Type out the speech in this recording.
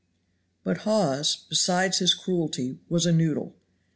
But Hawes, besides his cruelty, was a noodle.